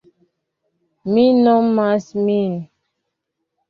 Mi nomas min.